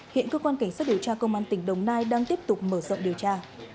hiện cơ quan cảnh sát điều tra công an tỉnh đồng nai đang tiếp tục mở rộng điều tra